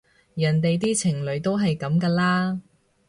人哋啲情侶都係噉㗎啦